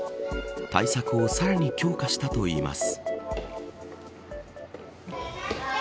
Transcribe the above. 対策をさらに強化したといいます